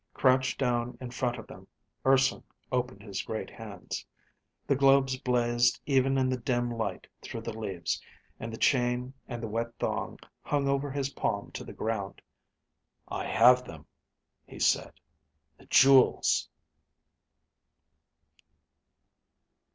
Crouched down in front of them, Urson opened his great hands. The globes blazed even in the dim light through the leaves, and the chain and the wet thong hung over his palm to the ground. "I have them," he said, "... the jewels!"